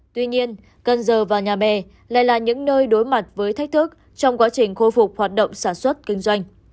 tuy nhiên cần giờ và nhà bè lại là những nơi đối mặt với thách thức trong quá trình khôi phục hoạt động sản xuất kinh doanh